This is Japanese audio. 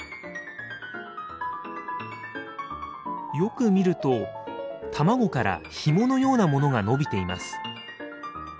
よく見ると卵からひものようなものがのびています。